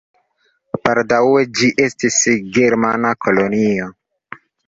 Baldaŭe ĝi estis germana kolonio.